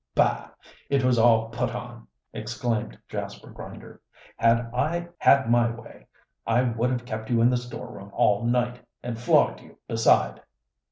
"Bah! it was all put on," exclaimed Jasper Grinder. "Had I had my way, I would have kept you in the storeroom all night, and flogged you beside."